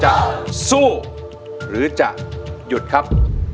จะสู้หรือจะหยุดครับ